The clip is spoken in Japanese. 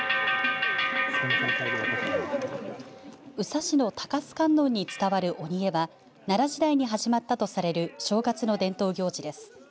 宇佐市の鷹栖観音に伝わる鬼会は奈良時代に始まったとされる正月の伝統行事です。